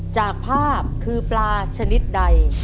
จากภาพคือปลาชนิดใด